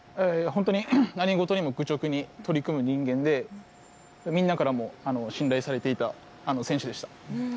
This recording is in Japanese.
何事にも愚直に取り組む人間でみんなからも信頼されていた選手でした。